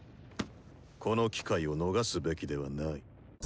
この機会を逃すべきではない。